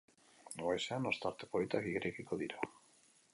Goizean ostarte politak irekiko dira.